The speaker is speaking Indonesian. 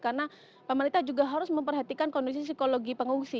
karena pemerintah juga harus memperhatikan kondisi psikologi pengungsi